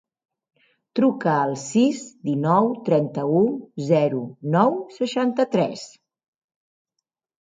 Truca al sis, dinou, trenta-u, zero, nou, seixanta-tres.